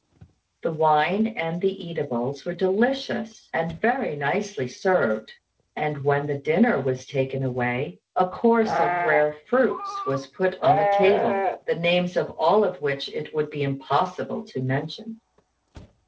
The wine and the eatables were delicious, and very nicely served; and when the dinner was taken away, a course of rare fruits was put on the table, the names of all of which it would be impossible to mention.